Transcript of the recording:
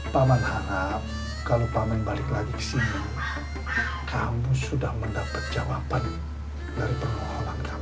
paman harap kalau paman balik lagi ke sini kamu sudah mendapat jawaban dari permohonan kami